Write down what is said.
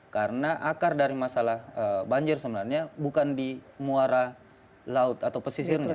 karena akar dari masalah banjir sebenarnya bukan di muara laut atau pesisirnya